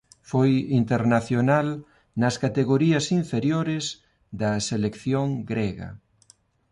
Foi internacional nas categorías inferiores da selección grega.